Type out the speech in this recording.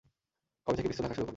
কবে থেকে পিস্তল রাখা শুরু করলি?